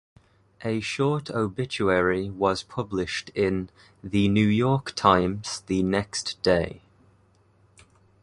A short obituary was published in "The New York Times" the next day.